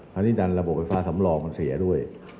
อันนี้ดันระบบไฟฟ้าสำรองมันเสียด้วย